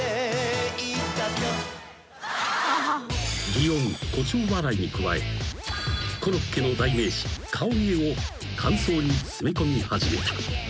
［擬音誇張笑いに加えコロッケの代名詞顔芸を間奏に詰め込み始めた］